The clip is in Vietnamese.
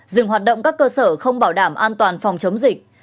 dừng hoạt động các cơ sở không bảo đảm an toàn phòng chống dịch